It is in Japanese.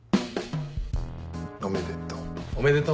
おめでとう。